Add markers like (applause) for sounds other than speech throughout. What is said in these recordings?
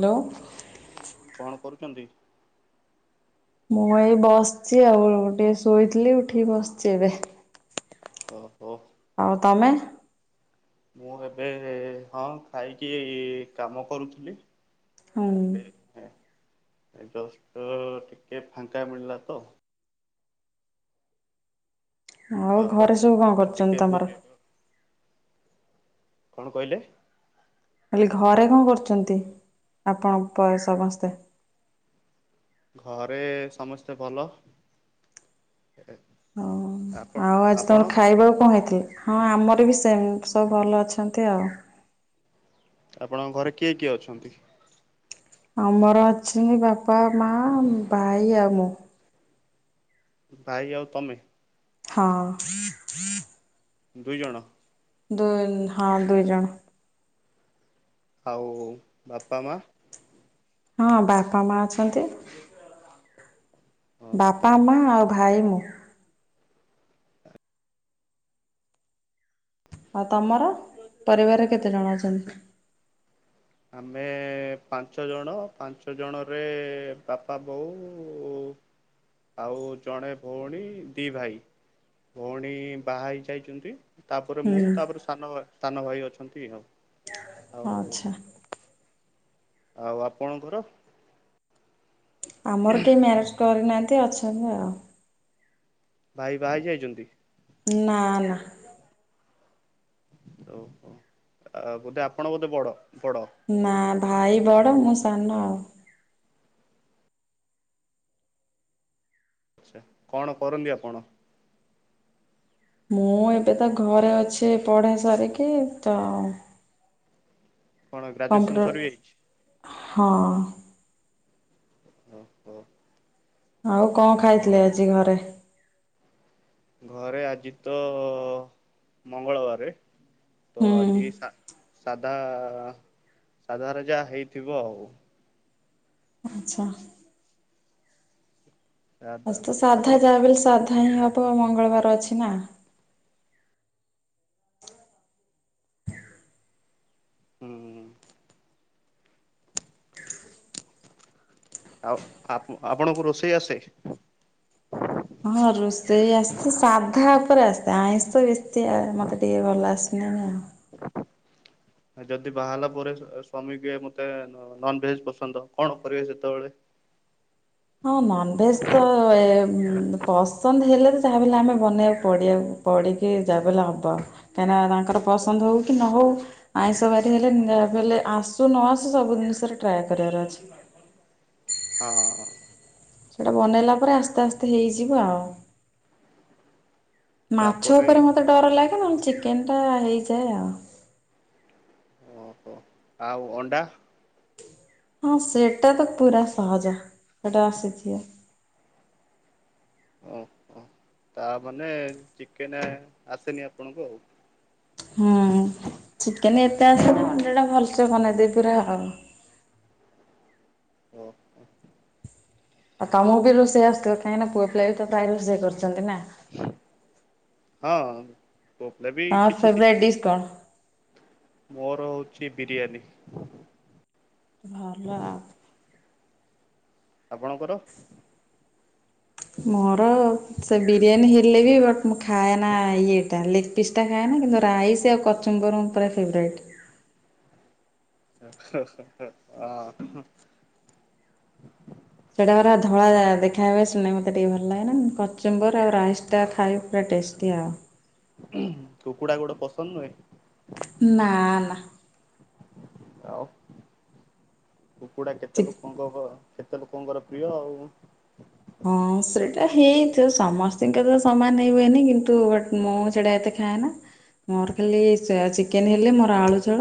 Hello କଣ କରୁଛନ୍ତି? ମୁଁ ଏଇ ବସିଛି ଆଉ ଟିକେ ଶୋଇଥିଲି ଉଠିକି ବସିଛି ଏବେ। ଓହୋ। ଆଉ ତମେ? ମୁଁ ଏବେ-ଏ-ଏ-ଏ ହଁ ଖାଇକି କାମ କରୁଥିଲି। ହୁଁ ଏବେ ଏ ଜଷ୍ଟ ଟିକେ ଫାଙ୍କା ମିଳିଲା ତ ଆଉ ଘରେ ବାହାରେ ସବୁ କଣ ଟିକେ କରୁଛନ୍ତି ତମର? ବୁଲିବ କଣ କହିଲେ? କହିଲି ଘରେ କଣ କରୁଛନ୍ତି ଆପଣ ପ-ସମସ୍ତେ? ଘରେ-ଏ-ଏ ସମସ୍ତେ ଭଲ। ହଁ ଆପଣ ଆଉ ଆଜି ଆପଣ ତମର ଖାଇବାକୁ କଣ ହେଇଥିଲା? ହଁ ଆମର ବି ସେମ୍। ସବୁ ଭଲ ଅଛନ୍ତି ଆଉ। ଆପଣଙ୍କ ଘରେ କିଏ କିଏ ଅଛନ୍ତି? ଆମର ଅଛନ୍ତି ବାପ୍ ବାପା, ମା, ଭାଇ ଆଉ ମୁଁ। ଭାଇ ଆଉ ତମେ? ହଁ। ଦୁଇ ଜଣ? ଦୁଏନ୍ ହଁ ଦୁଇ ଜଣ। ଆଉ ବାପା ମା? ହଁ ବାପା ମା ଅଛନ୍ତି। ହଁ ବାପା ହଁ। ମା ଆଉ ଭାଇ, ମୁଁ। ଆଉ ତମର? ପରିବାରରେ କେତେ ଜଣ ଅଛନ୍ତି? ଆମେ-ଏ-ଏ-ଏ ପାଞ୍ଚ ଜଣ। ପାଞ୍ଚ ଜଣରେ ବାପା, ବୋଉ-ଉ-ଉ-ଉ୍ ଆଉ ଜଣେ ଭଉଣୀ, ଦି ଭାଇ। ଭଉଣୀ ବାହା ହେଇ ଯାଇଛନ୍ତି। ତାପରେ ମୁଁ ହୁଁ ତାପରେ ସାନ ଭା ସାନ ଭାଇ ଅଛନ୍ତି ଆଉ। ଆଉ ହଁ ଆଚ୍ଛା। ଆଉ ଆପଣଙ୍କର? ଆମର କେହି ମ୍ୟାରେଜ୍ କରି ନାଆ ତେ ଅଛନ୍ତି ଆଉ। ଭାଇ ବାହା ହେଇ ଯାଇଛନ୍ତି? ନା ନା। ଓହୋ ଆ ବୋଧେ ଆପଣ ବୋଧେ ବଡ? ନା ଭାଇ ବଡ଼ ମୁଁ ସାନ ଆଉ। ଆଛା କଣ କରନ୍ତିି ଆପଣ? ମୁଁ ଏବେ ତା ଘରେ ଅଛି ପଢା ସାରିକି ତ କଣ ଗ୍ରାଜୁଏସନ୍ କମ୍ପ୍ୟୁଟର ସରିଯାଇଛି? ହଁ ଓ ହୋ ଆଉ କଣ ଖାଇଥିଲେ ଆଜି ଘରେ? ଘରେ ଆଜି ତ ମଙ୍ଗଳବାର ତ ହୁଁ ଆଜି ସାଧା ସାଧାର ଯା ହେଇଥିବ ଆଉ ଆଚ୍ଛା ଆ ସାଧା ଯାହାବି ହେଲ ସାଧା ସାଇ ହବ ମଙ୍ଗଳବାର ଅଛି ନା ହୁଁ ହ। ଆଉ ଆପଣଙ୍କୁ ରୋଷେଇ ଆସେ? ହଁ ରୋଷେଇ ଆସିଛି ସାଧା ଉପରେ ଆସି ଆଇଁଷ ତ ବେଶୀ ମତେ ଟିକେ ଭଲ ଆସନି ଆଉ ଯଦି ବାହା ହେଲା ପରେ ସ୍ଵା ସ୍ଵାମୀ କହିବେ ମତେ ନନଭେଜ ପସନ୍ଦ କଣ କରିବେ ସେତେବେଳେ? ହଁ ନନଭେଜ ଏ ଉଁ ତ ପସନ୍ଦ ହେଲେ ତ ଯାହାବି ହେଲେ ଆମେ ବନେଇବା ପଡି ପଡିକି ଯାହାବି ହେଲେ ହବ ଆଉ କାହିଁକିନା ତାଙ୍କର ପସନ୍ଦ ହଉ କି ନ ହଉ ଆଇଁଷ ବାାରି ହେଲେ ଯାହାଲେ ଆସୁ ନ ଆସୁ ସବୁ ଜିନିଷରେ ଟ୍ରାଏ କରିବାର ଅଛି। ହଁ। ସେଟା ବନେଇଲା ପରେ ଆସ୍ତେ ଆସ୍ତେ ହେଇଯିବ ଆଉ। ମାଛ ତାପରେ ଉପରେ ମତେ ଡର ଲାଗେ ନହେଲେ କେନ୍ତା ହେଇଯାଏ ଆଉ ଓହୋ ଆଉ ଅଣ୍ଡା? ହଁ ସେଇଟା ତ ପୁରା ସହଜ ସେଟା ଆସିଛି। ଓ ହ ତା ମାନେ ଚିକେନ ଆସେନି ଆପଣଙ୍କୁ ଆଉ? ହୁଁ ଚିକେନ ଏତେ ଆସିଲ ମୁ ସେଟା ଭଲସେ ବନେଇଦେ ପୁର ଆଉ ଓ ହ। ଆଉ ତମକୁ ବି ରୋଷେଇ ଆସିଥିବ କାହିଁକିନା ପୁଅ ପିଲା ବି ତ ପ୍ରାୟ ରୋଷେଇ କରୁଛନ୍ତି ନା ହଁ। ତମର ଫେବ୍ରେଡ ଡିସ କଣ? ମୋର ହଉଛି ବିରିୟାନୀ। ଭଲ। ଆପଣଙ୍କର? ମୋର ସେ ବିରିୟାନୀ ହେଲେ ବି ବ ମୁମଁ ଖାୟ ନା ଇଏ ଲେଗ ପିସ୍ ଟା ଖାଏନ କିନ୍ତୁ ରାଇସ୍ ଆଉ କଚୁମ୍ବର ପୁରା ଫେବ୍ରେଟ (unintelligible) ମତେ ଟିକେ ଭଲ ଲାଗେନା କଚୁମ୍ବର ଆଉ ରାଇସ ଟା ଖାଇ ପୁର ଟେଷ୍ଟି ଆଉ କୁକୁଡ଼ା ଗୋଡ ପସନ୍ଦ ନୁହେଁ। ନା ନା ଆଉ। କୁକୁଡା ଚି କେତେ ଲୋକଙ୍କ ହ କେତେ ଲୋକଙ୍କର ପ୍ରିୟ ଆଉ। ହଁ ସେଟା ହେଇଥିବ ସମସ୍ତଙ୍କ ତ ସମାନ ହେଇ ହୁଏନି କିନ୍ତୁ ମୁଁ ସେଟା ଏତେ ଖାଏନା ମୋର ଖାଲି ଚିକେନ ହେଲେ ମୋର ଆଳୁ ଝୋଳ।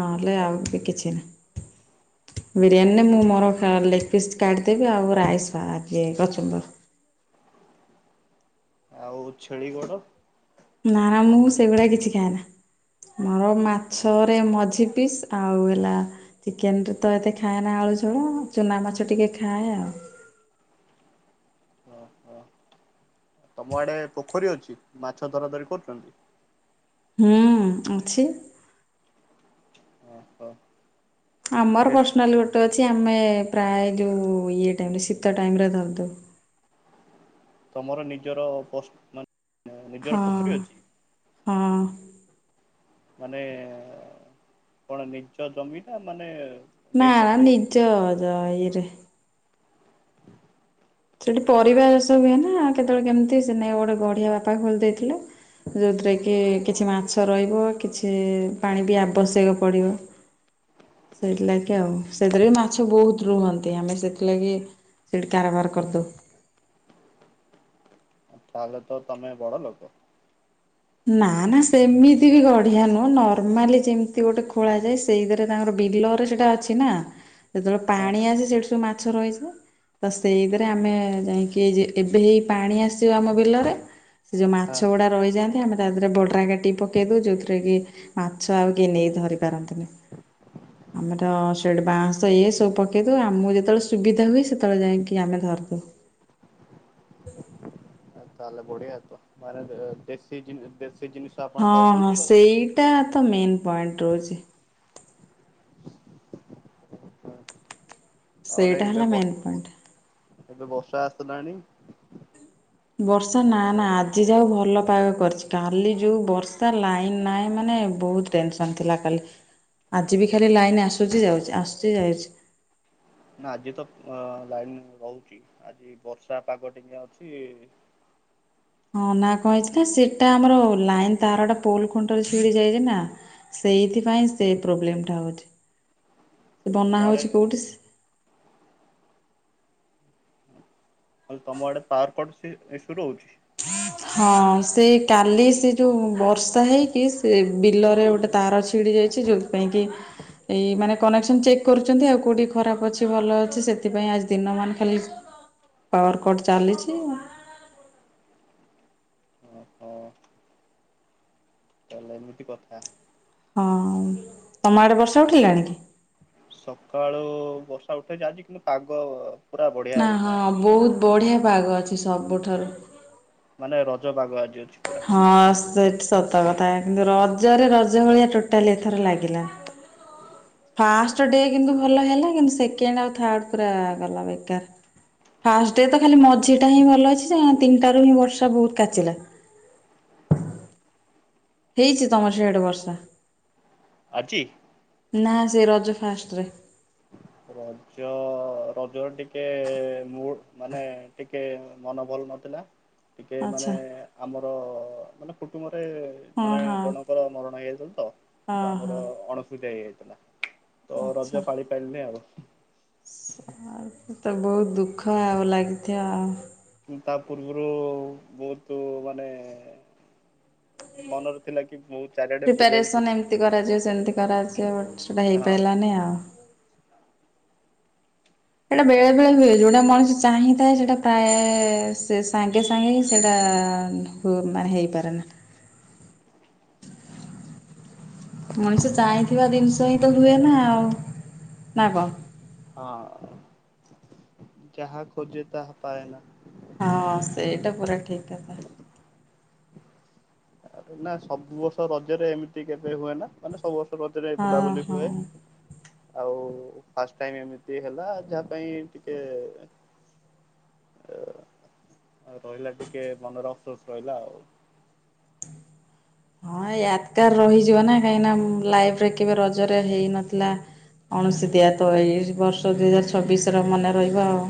ନହେଲେ ଆଉ ବି କିଛି ନାହି। ବିରିୟାନୀରେ ମୁଁ ମୋର ଲେଗ ପିସ୍ କାଟିିଦେବି ଆଉ ରାଇସି ବା ଇ ଏ କଚୁମ୍ବର୍ ଆଉ ଛେଳି ଗୋଡ଼ ନା ନା ମୁଁ ସେଇଗୁଳିା କିଛି ଖାଏ ନା। ମୋର ମାଛରେ ମଝି ପିସ୍ ଆଉ ହେଲା ଚିକେନ ରେ ତ ଏତେ ଖାଏ ନା ଆଳୁ ଳୁ ଚୁନା ମାଛ ଟିକେ ଖାଏ ଆଉ। ଓହୋ। ତମ ଆଡେ ପୋଖରୀ ଅଛି ମାଛ ଧରା ଧରି କରୁଛନ୍ତି। ହୁଁ ଅଛି। ଓ ହୋ। ଆମର ପ୍ରଶ୍ନାଲି ଗୋଟେ ଅଛି ଆମେ ପ୍ରାୟ ଯୋଉ ଇଏ ଟାଇମରେ ଶୀତ ଟାଇମରେ ଧରୀ ଦଉ ତମର ନିଜର ପ୍ର ମାନେ ନିଜର ହଁ ପୋଖରୀ ଅଛି? ହଁ। ମାନେ କଣ ନିଜ ଜମିନା ମାନେ ନା ନା ନେଇଛନ୍ତି? ନିଜଜ ଇଏରେ ସେଠି ପରିବା ଚାଷ ହୁଏ ନା। କେତେବେଳେ କେମିତି ସେ ନାଇ ଗୋଟେ ଗଢିଆ ବାପା ଖୋଲି ଦେଇଥିଲେ ଯୋଉଥିରେ କି କିଛି ମାଛ ରହିବ କିଛି ପାଣି ବି ଆବଶ୍ୟକ ପଡିବ ସେଥିଲାଗି ଆଉ ସେଥିରେ ବି ମାଛ ବହୁତ ରୁହନ୍ତି। ଆମେ ସେଥିଲାଗି ସେଠି କାରବାର କର୍ତୁ ତାହେଲେ ତ ତମେ ବଡ ଲୋକ। ନା ନା ସେମିତି ବି ଗଢିଆ ନୁହଁ ନର୍ମାଲି ଯେମିତି ଗୋଟେ ଖୋଳା ଯାଏ। ସେଇଥିରେ ତାଙ୍କର ବିଲରେ ସେଟା ଅଛି ନା ଯେତେବେଳେ ହଁ ପାଣି ଆସ ସେଠି ସବୁ ମାଛ ରହିଛି ତ ସେଇଥିରେ ଆମେ ଯାଇକି ଏବେ ହେଇ ପାଣି ଆସଯିବ ଆମ ବିଲରେ ସେ ଯୋଉ ମାଛ ହଁ ଗୁଡା ରହିଯାଆନ୍ତି ଆମେ ତା ଦେହରେ ବଡ୍ର କାଟି ପକେଇ ଦଉ ଯଉଥିରେ କି ମାଛ ଆଉ କିଏ ନେଇ ଧରି ପାରନ୍ତିନି ଆମର ସେଠ ବାଁଶ ଇଏ ସବୁ ପକେଇ ଦଉ ଆମକୁ ଯେତେବେଳେ ସୁବିଧା ହୁଏ ସେତେବେଳେ ଯାଇକି ଆମେ ଧରିଦଉ। ତାହଲେ ବଡିଆ ତ ମାନ ଦେଶୀ ଜି ଦେଶୀ ଜିନିଷ ଆପଣ ହଁ ହଁ ଖାଉଛନ୍ତି ଆଉ। ସେଇଟା ତ ମେନ୍ ପଏଣ୍ଟ ରହୁଛି। ତାହେଲେ ସେଇଟା ଏବେ ହେଲା ମେନ୍ ପଏଣ୍ଟ। ଏବେ ବର୍ଷା ଆସିଲାଣି। ବର୍ଷା ନା ନା ଆଜି ଯାଉ ଭଲ ପାଗ କରିଛି କାଲି ଯୋଉ ବର୍ଷା ଲାଇନ ନାହିଁ ମାନେ ବହୁତ ଟେନସନ ଥିଲା କାଲି ଆଜି ବି ଖାଲି ଲାଇନ ଆସୁଛି ଯାଉଛି ଆସୁଚ ଯାଉଛି। ନା ଆଜି ତ ଅ ଲାଇନ ରହୁଛି ଆଜି ବର୍ଷା ପାଗ ଟିକା ଅଛି। ହଁ ନା କହିଛି ନା ସେଟା ଆମର ଲାଇନ ତାରଟା ପୋଲ ଖୁଣ୍ଟରେ ଛିଡି ଯାଇଛି ନା ସେଇଥିପାଇଁ ସେ ପ୍ରୋବ୍ଲୋ ହଉଛି। ସେ ତମ ବନା ଆଡେ ହଉଛି କୋଉଠି ସେ ଆଉ ତମ ଆଡେ ପାୱାର କଟ୍ ସି ସୁରୁ ହଉଛି। ହଁ ସେ କାଲି ସେ ଯୋଉ ବର୍ଷା ହେଇକି ସେ ବିଲରେ ଗୋଟେ ତାର ଛିଡି ଯାଇଛି ଯୋଉଥିପାଇଁ କି ଏଇ ମାନେ କନେକ୍ସନ ଚେକ୍ କରୁଛନ୍ତି। ଆଉ କୋଉଠି ଖରାପ ଅଛି ଭଲ ଅଛି ସେଥିପାଇଁ ଆଜି ଦିନ ମ ଖାଲି ପାୱାର କଟ୍ ଚାଲିଛି। ଓହୋ ତାହେଲେ ଏମିତି କଥା। ହଁ ତମ ଆଡେ ବର୍ଷା ଉଠିଲାଣି କି? ସକାଳୁ ବର୍ଷା ଉଠେଇଛି କିନ୍ତୁ ଆଜି ପାଗ ପୁରା ବଢ଼ିଆ ନା ହେଇଛି। ହଁ ବହୁତ ବଢିଆ ପାଗ ଅ କି ସବୁ ଠାରୁ ମାନେ ରଜ ପାଗ ଆଜିି ହଁ ସେ ସତ କଥା କିନ୍ତୁ ରଜରେ ରଜ ଭଳିଆ ଟୋଟାଲି ଏଥର ଲାଗିଲା। ଫାଷ୍ଟ ଡେ କିନ୍ତୁ ଭଲ ହେଲା କିନ୍ତୁ ସେକେଣ୍ଡ ଆଉ ଥାର୍ଡ଼ ପୁରା ଗଲା ବେକାର ଫାଷ୍ଟ ଡେ ତ ଖାଲି ମଝିଟା ହିଁ ଭଲ ଅଛି ତିନିଟାରୁ ହିଁ ବର୍ଷା ବହୁତ କାଚିଲା। ହେଇଛି ତମର ସିଆଡେ ବର୍ଷା। ଆଜି ନା ସେ ରଜ ଫାଷ୍ଟରେ ରଜ ରଜର ଟିକେ ମୁ ମାନେ ଠିକ୍ ହେ ମନ ଭଲ ନଥିଲା। ଟିକେ ଆଚ୍ଛା ମାନେ ଆମର ମାନେ କୁଟୁ। ଗେ ହଁ ଜଣେ ହଁ ଜଣଙ୍କର ମରଣ ହେଇଯାଇଛନ୍ତି ତ ତ ଓହୋ। ଆମର ଅଣସୂଧିଆ ହେଇଯାଇଛି। ଥିଲା (inaudible) ତ ରଜ ପାଳି ପାରିଲେ ଆଉ। ଆ। ଏ ତ ବହୁତ ଦୁଃଖ ଆଉ ଲାଗିଥିବ ଆଉ। ତା ପୂର୍ବରୁ ବହୁତ ମାନେ ମନରେ ଥିଲା କି ମୁଁ ଚାରିଆଡେ ବୁଲିବାକୁ ଯିବି ପ୍ରିପାରେସନ ଏମିତି କରାଯିବ ସେମିତି କରାଯିବ ସେଟା ହଁ ହେଇପାରିଲାନି ଆଉ। ସେଇଟା ବେଳେ ଆଉ ବେଳେ ହୁଏ ଯୋଉଟା ମଣିଷ ଚାହିଁଥାଏ ସେଟା ପ୍ରାୟ ସେ ସାଙ୍ଗେ ସାଙ୍ଗେ ହିଁ ସେଟା ମାନେ ହେଇପାରେ ନା। ମଣିଷ ଚାହିଁଥିବା ଜିନିଷ ହିଁ ତ ହୁଏ ନା ଆଉ ନା କଣ? ହଁ ଯାହା ଖୋଜେ ତାହା ପାଏ ନା। ହଁ ସେଇଟା ପୁରା ଠିକ କଥା। ଆରେ ନା ସବୁ ବର୍ଷ ରଜରେ ଏମିତି କେବେ ହୁଏ ନା ମାନେ ସବୁ ବର୍ଷ ରଜରେ ହଁ ବୁଲାବୁଲି ହୁଏ। ହଁ। ଆଉ ଫାଷ୍ଟ ଟାଇମ ଏମିତି ହେଲା ଯାହା ପାଇଁ ଟିକେ ରହିଲା ଟିକେ ମନରେ ଅଫସୋସ ରହିଲା ଆଉ। ହଁ ଏ ୟାଦକାର ରହିଯିବ ନା କାହିଁକି ନା ଲାଇଫ ରେ କେବେ ରଜରେ ହେଇନଥିଲା କୌଣସି ଦିଆ ତ ଏଇ ବର୍ଷ ଦୁଇ ହଜାର ଛବିଶ ର ମନେ ରହିବ ଆଉ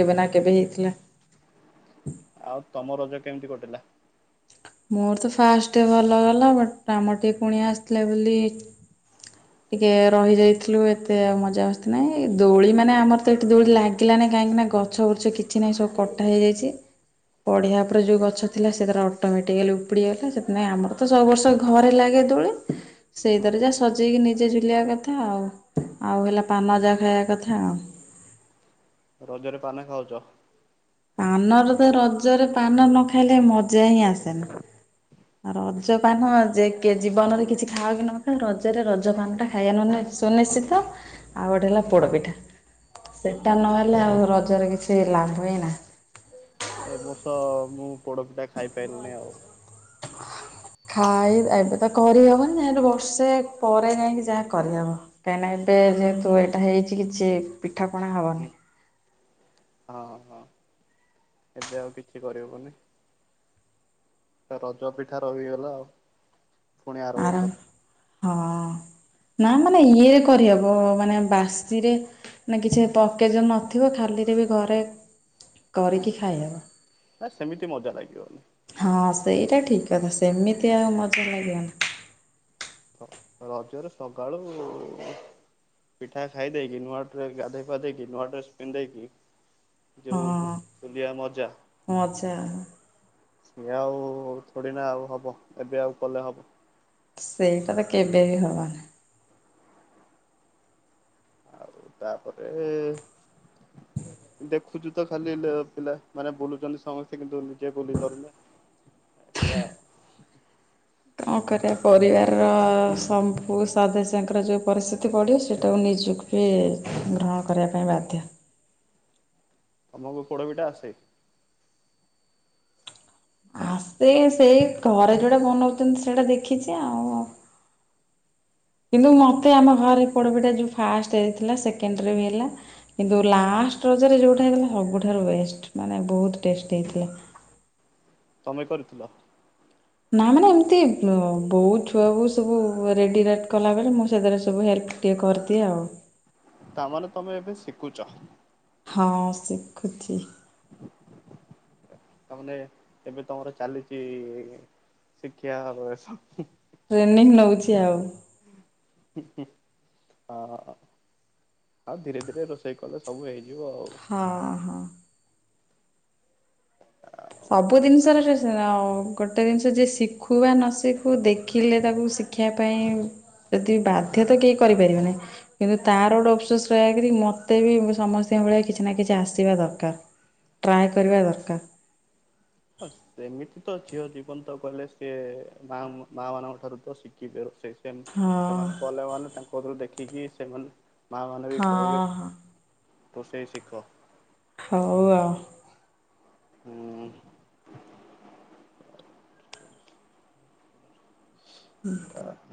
କେବେ ନା କେବେ ହେଇଥିଲା। ଆଉ ତମ ରଜ କେମିତି କଟିଲା? ମୋର ତ ଫାଷ୍ଟେ ଭଲ ଗଲା ବଟ୍ କାମ ଟିକେ ପୁଣି ଆସିଥିଲେ ବୋଲି ଟିକେ ରହିଯାଇଥିଲୁ ଏତେ ଆଉ ମଜା ମସ୍ତି ନାହିଁ ଦୋଳି ମାନେ ଆମର ତ ଏଠି ଦୋଳି ଲାଗିଲା ନାହିଁ କାହିଁକି ନା ଗଛ ବୁର୍ଛ କିଛି ନାହିଁ ସବୁ କଟା ହେଇଯାଇଛି ପଢିଆ ପରେରେ ଯୋଉ ଗଛ ଥିଲା ସେର ଅଟୋମେଟିକାଲି ଉପୁଡିଗଲା ସେଥିିନାଇଁ ଆମର ତ ସବୁ ବର୍ଷ ଘରେ ଲାଗେ ଦୋଳି ହଁ ସେଇଥିରେ ହଁ ଯାହା ସଜେଇକି ଜେ ଝୁଲିବା କଥା ଆଉ ଆଉ ହେଲା ପାନ ଜା ଖାଇବା କଥା ଆଉ। ରଜରେ ପାନ ଖାଉଛ। ପାନର ତ ରଜରେ ପାନ ନ ଖାଇଲେ ମଜା ହିଁ ଆସେନା। ରଜପାନ ଯେ କି ଜୀବନରେ କିଛି ଖାଅ କି ନ ଖା ରଜରେ ରଜପାନ ଟା ଖାଇବା ନ ସୁନିଶ୍ଚିତ ଆଉ ଗୋଟେ ହେଲା ପୋଡପିଠା ସେଟା ନହେଲେ ଆଉ ରଜରେ କିଛି ଲାଭ ହିଁ ନାହିଁ। ଏ ବର୍ଷ ମୁଁ ପୋଡପିଠା ଖାଇପାଇଲିନି ଆଉ। ଖାଇ ଏବେ ତ କରିହବନି ଯୁ ବର୍ଷେ ପରେ ଯାଇକି ଯାହା କରିହବ କାହିଁକିନା ଏବେ ଯେହେତୁ ଏଇଟା ହେଇଛି କିଛି ପିଠା ପଣା ହୁଁ ହବନି। ହଁ ହଁ ଏବେ ଆଉ କିଛି କରିହବନି ରଜ ପିଠା ରହିଗଲା ଆଉ। ପୁଣି ଆର ବର୍ଷ ଆରାମ ପାଇଁ। ହଁ। ନା ମାନେ ଇଏରେ କରିହବ ମାନେ ବାସିରେ ମାନେ କିଛି ପକେଜ ନଥିବ ଖାଲିରେ ବି ଘରେ କରିକି ଖାଇହେବ ନା ସେମିତି ମଜା ଲାଗିବନି। ହଁ ସେଇଟା ଠିକ। ତ ସେମିତି ଆଉ ମଜା ଲାଗିବନି। ରଜରେ ସକାଳୁ ପିଠା ଖାଇ ଦେଇେଇକି। ନୂଆ ଡ୍ରେ ଗାଧେଇ ପାଧେଇକି ନୂଆ ଡ୍ରେସ ପିନ୍ଧେଇକି। ଯୋଉ ହଁ ବୁଲିବା ମଜା ମଜା। ଇଏ ଆଉ ଥୋଡି ନା ଆଉ ହବ। ଏବେ ଆଉ କଲେ ହବ। ସେଇଟା ତ କେବେ ବି ହବନି। ଆଉ ତାପରେ ଦେଖୁଛୁ ତ ଅ ଖାଲି ପିଲା ମାନେ ବୁଲୁଛନ୍ତି। ସମସ୍ତେ କିନ୍ତୁ ନିଜେ ବୁଲି ପାରୁନେ ଆଉ। କଣ କରିବା ପରିବାରର ସମ୍ପୁ ସଦସ୍ୟଙ୍କର ଯେଉଁ ପରିସ୍ଥିତି ପଡ଼ିବ। ସେଇଟାକୁ ନିଜକୁ ବି ଗ୍ରହଣ କରିବା ପାଇଁ ବାଧ୍ୟ। ତମକୁ ପୋଡ ପିଠା ଆସେ। ଆ ସେଇ ସେଇ ଘରେ ଯୋଉଟା ବନଉଛନ୍ତି ସେଇଟା ଦେଖିଛି ଆଉ। କିନ୍ତୁ ମୋତେ ଆମ ଘରେ ପୋଡ଼ପିଠା ଯେଉ ଫାଷ୍ଟ ହେଇଥିଲା। ସେକେଣ୍ଡରେ ବି ହେଲା। କିନ୍ତୁ ଲାଷ୍ଟ ରଜରେ ଯେଉଟା ହେଇଥିଲା ସବୁଠାରୁ ବେଷ୍ଟ ମାନେ ବହୁତ ଟେଷ୍ଟ ହେଇଥିଲା। ତମେ କରିଥିଲ। ନା ମାନେ ଏମିତି ଅ ବୋଉ ଛୁଆ ବୋଉ ସବୁ ରେଡି ରେଟ କଲାବେଳେ। ମୁଁ ସେଥିରେ ସବୁ ହେଲ୍ପ ଟିକେ କରିଦିଏ ଆଉ। ତାମାନେ ତମେ ଏବେ ଶିଖୁଛ। ହଁ ଶିଖୁଛି। ତାମାନେ ଏବେ ତମର ଚାଲିଛି (inaudible) ଶିଖିବା ବୟସ। ଟ୍ରେନିଂ ନଉଛି ଆଉ। (inaudible) ହଁ ଆଉ ଧୀରେ ଧୀରେ ରୋଷେଇ କଲେ ସବୁ ହେଇ ହଁ ହଁ। ଯ ଆଉ ଗୋଟେ ଜିନିଷ ଯିଏ ଶିଖୁ ବା ନ ଶିଖୁ ଦେଖିଲେ ତାକୁ ଶିଖିବା ପାଇଁ ଯଦି ବାଧ୍ୟ ତ କେହି କରିପାରିବେ ନାହିଁ। କିନ୍ତୁ ତାର ଗୋଟେ ଅଫସୋସ ରହକରି ମତେ ବି ସମସ୍ତଙ୍କ ଭଳିଆ କିଛି ନା କିଛି ଆସିବା ଦରକାର ଟ୍ରାଏ କରିବା ଦରକାର। ହଁ ସେମିତି ତ ଝିଅ ଜୀବନ୍ତ କହିଲେ ସିଏ ମା ମା ମାନଙ୍କ ଠାରୁ ତ ଶିଖିବେ ରୋଷେଇ। ହଁ ସେମାନେ କଲେ ମାନେ ତାଙ୍କରୁ ଦେଖ ଖିକୀ ସେମାନେ ମା ମାନେ ବି ହଁ କହିବେ। ହଁ ରୋଷେଇ ଶିଖ। ହଉ ଆଉ। ହୁଁ (inaudible) ହୁଁ।